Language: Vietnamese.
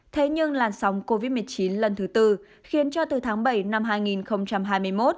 thế nhưng làn sóng covid một mươi chín lần thứ tư khiến cho từ tháng bảy năm hai nghìn hai mươi một